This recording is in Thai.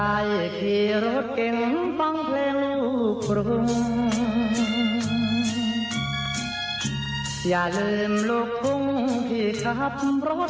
ได้พี่รถเก่งฟังเพลงลูกภูมิ